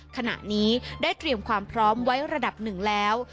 ขณะนี้ได้เตรียมความพร้อมไว้ระดับหนึ่งแล้ว